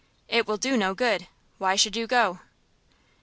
"It will do no good. Why should you go?"